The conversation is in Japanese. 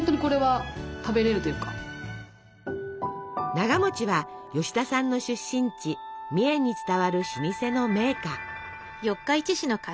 ながは吉田さんの出身地三重に伝わる老舗の銘菓。